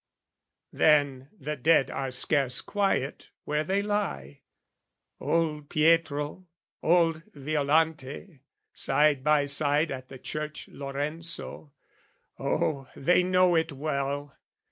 Then the dead are scarce quiet where they lie, Old Pietro, old Violante, side by side At the church Lorenzo, oh, they know it well!